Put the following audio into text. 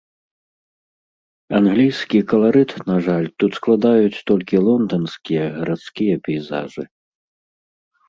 Англійскі каларыт, на жаль, тут складаюць толькі лонданскія гарадскія пейзажы.